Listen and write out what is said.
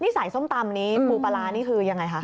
นี่ใส่ส้มตำนี้ปูปลาร้านี่คือยังไงคะ